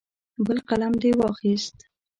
بل قلم دې واخیست.